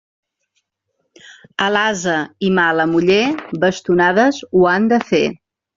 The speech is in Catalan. A l'ase i mala muller, bastonades ho han de fer.